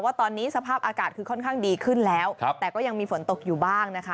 ว่าตอนนี้สภาพอากาศคือค่อนข้างดีขึ้นแล้วแต่ก็ยังมีฝนตกอยู่บ้างนะคะ